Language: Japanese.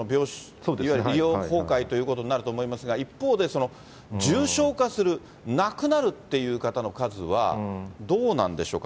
いわゆる医療崩壊ということになると思いますが、一方で、重症化する、亡くなるっていう方の数はどうなんでしょうか。